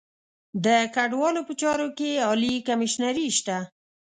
د کډوالو په چارو کې عالي کمیشنري شته.